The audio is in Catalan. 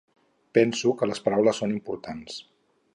Penso que les paraules són important.